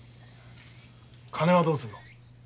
金はどうするの？